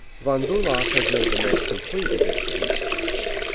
Von Bulow has made the most complete edition.